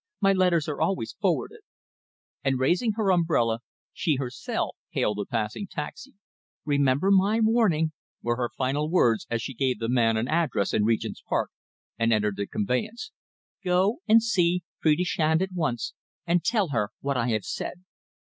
"My letters are always forwarded." And raising her umbrella she herself hailed a passing taxi. "Remember my warning," were her final words as she gave the man an address in Regent's Park, and entered the conveyance. "Go and see Phrida Shand at once and tell her what I have said."